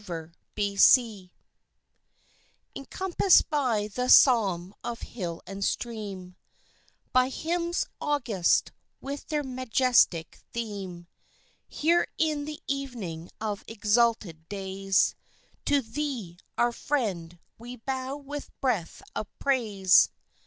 _] Encompassed by the psalm of hill and stream, By hymns august with their majestic theme, Here in the evening of exalted days To Thee, our Friend, we bow with breath of praise.